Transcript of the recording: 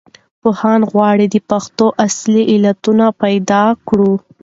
پوهان غواړي د پېښو اصلي علتونه پیدا کړو.